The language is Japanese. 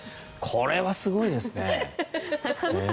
これはすごいですね。